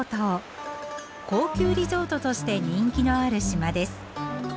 高級リゾートとして人気のある島です。